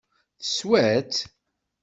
Teswa-tt?